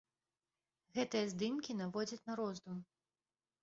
Гэтыя здымкі наводзяць на роздум.